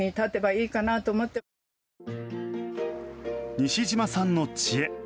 西嶋さんの知恵。